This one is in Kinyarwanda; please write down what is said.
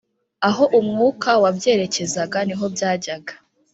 aho umwuka wabyerekezaga ni ho byajyaga